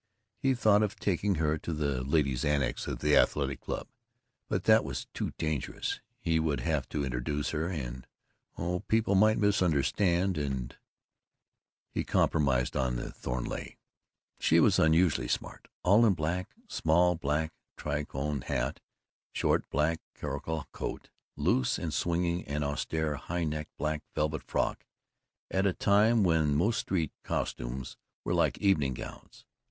He thought of taking her to the "ladies' annex" of the Athletic Club, but that was too dangerous. He would have to introduce her and, oh, people might misunderstand and He compromised on the Thornleigh. She was unusually smart, all in black: small black tricorne hat, short black caracul coat, loose and swinging, and austere high necked black velvet frock at a time when most street costumes were like evening gowns.